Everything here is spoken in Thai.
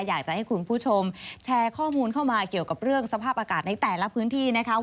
อยากจะให้คุณผู้ชมแชร์ข้อมูลเข้ามาเกี่ยวกับเรื่องสภาพอากาศในแต่ละพื้นที่นะคะ